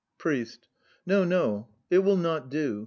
PRIEST. No, no; it will not do.